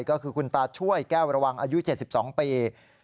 ก็คือคุณตาช่วยแก้วระวังอายุ๗๒ปี